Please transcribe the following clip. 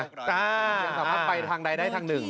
อ่าสวิงโวท์ไปทางใดได้ทางหนึ่ง